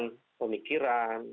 tidak dalam satu pemikiran